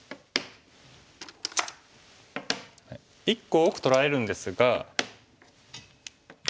１個多く取られるんですが。